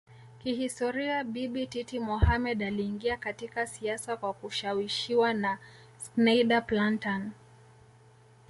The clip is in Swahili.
Kihistoria Bibi Titi Mohammed aliingia katika siasa kwa kushawishiwa na Schneider Plantan